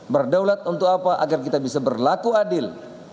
berdaulat untuk apa agar kita bisa berlaku adil